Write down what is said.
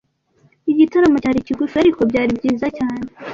Igitaramo cyari kigufi. Ariko, byari byiza cyane.